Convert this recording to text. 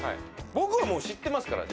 僕はもう知ってますから。